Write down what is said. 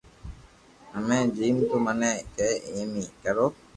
ھمي جيم تو مني ڪي ايم اي ڪرو